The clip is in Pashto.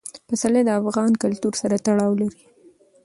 پسرلی د افغان کلتور سره تړاو لري.